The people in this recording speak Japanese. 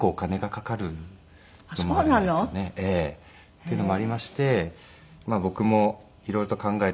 っていうのもありまして僕も色々と考えていて。